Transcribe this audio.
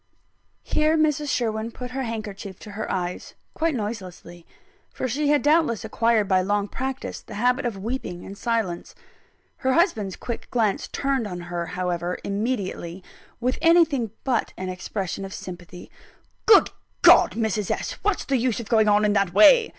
Here Mrs. Sherwin put her handkerchief to her eyes quite noiselessly; for she had doubtless acquired by long practice the habit of weeping in silence. Her husband's quick glance turned on her, however, immediately, with anything but an expression of sympathy. "Good God, Mrs. S.! what's the use of going on in that way?"